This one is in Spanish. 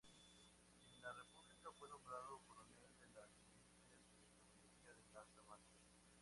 En la República fue nombrado Coronel de las milicias de caballería de la sabana.